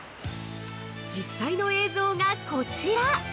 ◆実際の映像がこちら。